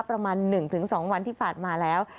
ประมาณ๑๒วันที่ผ่านมาแล้ว